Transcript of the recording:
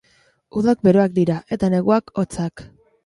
Udak beroak dira, eta neguak hotzak.